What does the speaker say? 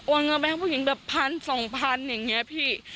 โอนเงินไปให้ผู้หญิงแบบ๑๐๐๐๒๐๐๐อย่างนี้พี่